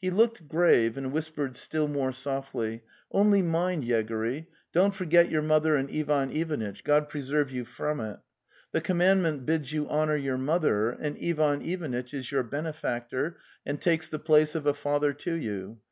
He looked grave, and whispered still more softly: '"Only mind, Yegory, don't forget your mother and Ivan Ivanitch, God preserve you from it. The commandment bids you honour your mother, and Ivan Ivanitch is your benefactor and takes the place of a father to you.